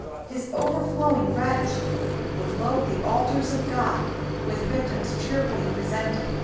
His overflowing gratitude would load the altars of God with victims cheerfully presented.